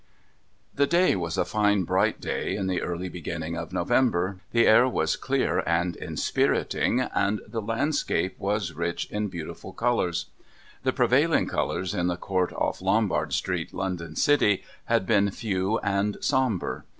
The day was a fine bright day in the early beginning of November, the air was clear and inspiriting, and the landscape was rich in beautiful colours. The prevailing colours in the court off Lombard Street, London city, had been few and sombre.